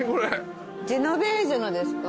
ジェノベーゼのですか？